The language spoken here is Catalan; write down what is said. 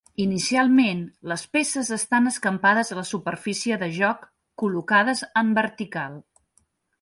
Inicialment, les peces estan escampades a la superfície de joc, col·locades en vertical.